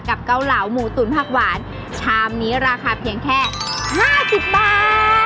เกาเหลาหมูตุ๋นผักหวานชามนี้ราคาเพียงแค่๕๐บาท